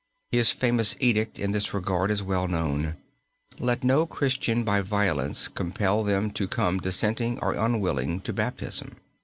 His famous edict in this regard is well known. "Let no Christian by violence compel them to come dissenting or unwilling to Baptism.